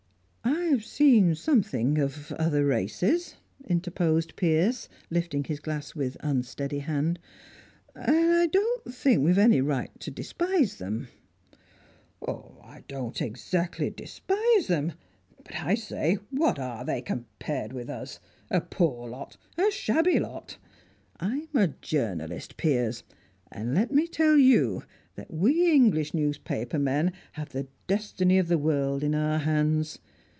"I've seen something of other races," interposed Piers, lifting his glass with unsteady hand, "and I don't think we've any right to despise them." "I don't exactly despise them, but I say, What are they compared with us? A poor lot! A shabby lot! I'm a journalist, Piers, and let me tell you that we English newspaper men have the destiny of the world in our hands.